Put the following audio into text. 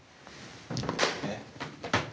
えっ？